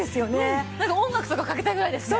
なんか音楽とかかけたいぐらいですね。